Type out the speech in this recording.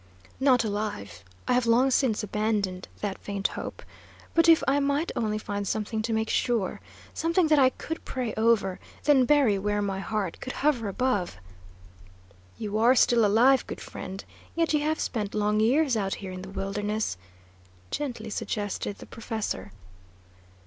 "Not alive; I have long since abandoned that faint hope. But if I might only find something to make sure, something that I could pray over, then bury where my heart could hover above " "You are still alive, good friend, yet you have spent long years out here in the wilderness," gently suggested the professor.